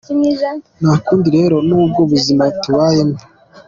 Nta kundi rero n’ubwo buzima tubayemo.